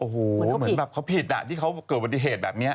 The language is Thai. เหมือนเขาผิดที่เขาเกิดปฏิเหตุแบบนี้